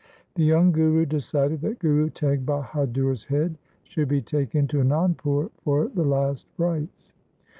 The young Guru decided that Guru Teg Bahadur's head should be taken to Anandpur for the last rites.